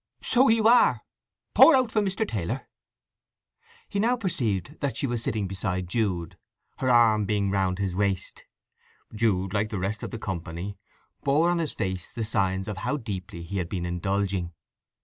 "So you are. Pour out for Mr. Taylor." He now perceived that she was sitting beside Jude, her arm being round his waist. Jude, like the rest of the company, bore on his face the signs of how deeply he had been indulging.